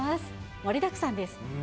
盛りだくさんです。